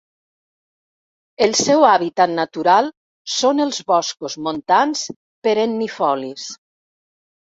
El seu hàbitat natural són els boscos montans perennifolis.